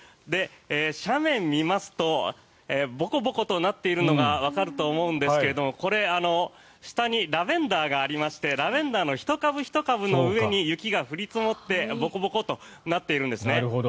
斜面を見ますとボコボコとなっているのがわかると思うんですけれどこれ、下にラベンダーがありましてラベンダーの１株１株の上に雪が降り積もってボコボコとなっているんですね。